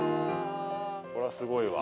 これはすごいわ。